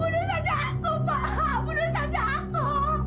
bunuh saja aku pak bunuh saja aku